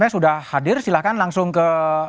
sudah hadir silahkan langsung ke